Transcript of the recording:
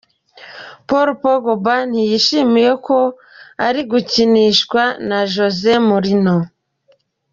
Paul Pogba ntiyishimiye uko ari gukinishwa na Jose Mourinho.